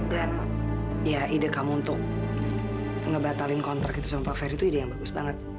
dan ya ide kamu untuk ngebatalin kontrak itu sama pak ferry itu ide yang bagus banget